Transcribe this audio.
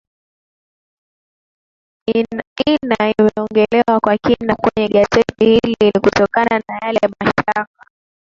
ina imeongolewa kwa kina kwenye gazeti hili ni kutokana na yale mashtaka